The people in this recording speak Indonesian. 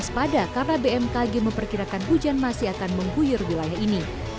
waspada karena bmkg memperkirakan hujan masih akan mengguyur wilayah ini